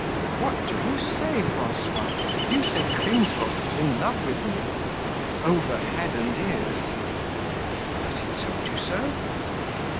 "What do you say, Francois? Do you say Crimsworth is in love with me?" "Over head and ears." "Has he told you so?"